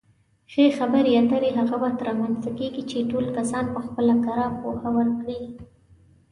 ښې خبرې اترې هغه وخت رامنځته کېږي چې ټول کسان پخپله کره پوهه ورکوي.